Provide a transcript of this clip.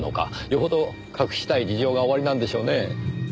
よほど隠したい事情がおありなんでしょうねぇ。